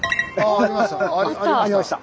あありました。